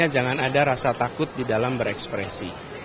jangan ada rasa takut di dalam berekspresi